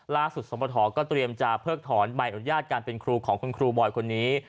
สมปฐก็เตรียมจะเพิกถอนใบอนุญาตการเป็นครูของคุณครูบอยคนนี้